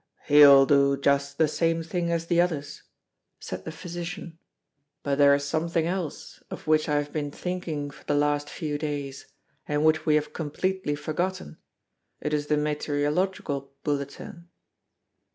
"He'll do just the same thing as the others," said the physician. "But there is something else, of which I have been thinking for the last few days, and which we have completely forgotten it is the meteorological bulletin."